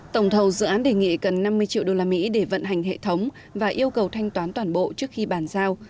tổng thầu dự án đề nghị cần năm mươi triệu usd để vận hành hệ thống và yêu cầu thanh toán toàn bộ trước khi bàn giao